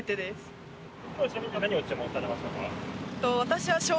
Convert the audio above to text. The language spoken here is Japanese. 私は。